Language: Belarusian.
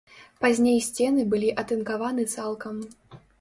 Пазней сцены былі атынкаваны цалкам.